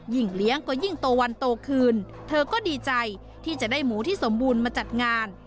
เลี้ยงก็ยิ่งโตวันโตคืนเธอก็ดีใจที่จะได้หมูที่สมบูรณ์มาจัดงาน